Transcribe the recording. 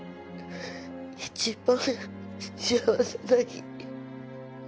一番幸せな日に